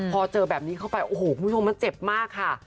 พอเจอแบบนี้เข้าไปโอ้โหคุณผู้ชมมันเจ็บมากค่ะ